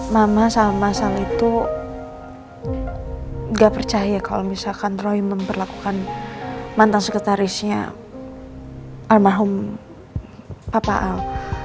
mama sama sang itu nggak percaya kalau misalkan roy memperlakukan mantan sekretarisnya almarhum papa al